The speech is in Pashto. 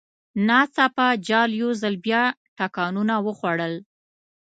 ناڅاپه جال یو ځل بیا ټکانونه وخوړل.